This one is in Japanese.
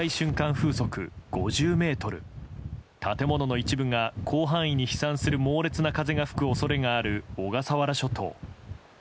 風速５０メートル建物の一部が広範囲に飛散する猛烈な風が吹く恐れがある小笠原諸島。